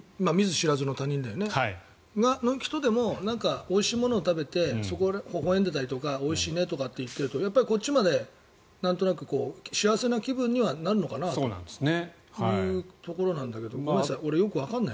その人でもおいしいものを食べてほほ笑んでいたりとかおいしいねって言っていたりするとやっぱりこっちまでなんとなく幸せな気分にはなるのかなというところなんだけどごめんなさい。